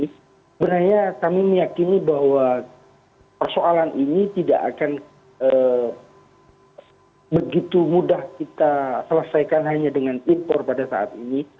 sebenarnya kami meyakini bahwa persoalan ini tidak akan begitu mudah kita selesaikan hanya dengan impor pada saat ini